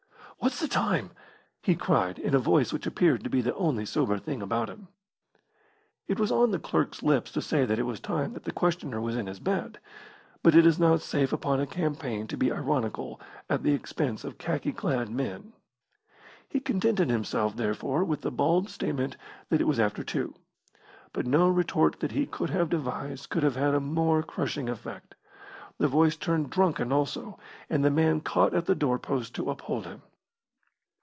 "What's the time?" he cried, in a voice which appeared to be the only sober thing about him. It was on the clerk's lips to say that it was time that the questioner was in his bed, but it is not safe upon a campaign to be ironical at the expense of khaki clad men. He contented himself, therefore, with the bald statement that it was after two. But no retort that he could have devised could have had a more crushing effect. The voice turned drunken also, and the man caught at the door post to uphold him.